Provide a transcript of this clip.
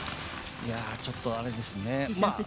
ちょっとあれですね。